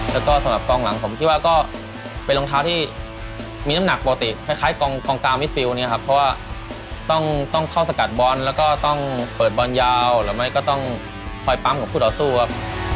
แล้วก็สำหรับกองหลังผมคิดว่าก็เป็นรองเท้าที่มีน้ำหนักปกติคล้ายกองกลางมิดฟิลเนี่ยครับเพราะว่าต้องเข้าสกัดบอลแล้วก็ต้องเปิดบอลยาวหรือไม่ก็ต้องคอยปั๊มของคู่ต่อสู้ครับ